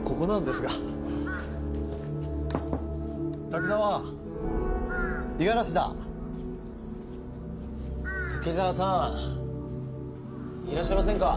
滝沢さんいらっしゃいませんか？